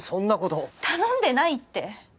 頼んでないって？